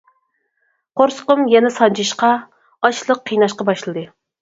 قورسىقىم يەنە سانجىشقا، ئاچلىق قىيناشقا باشلىدى.